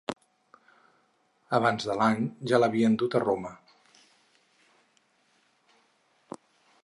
Abans de l'any ja l'havíem dut a Roma.